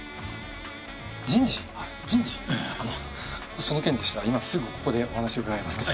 あのその件でしたら今すぐここでお話伺いますけど。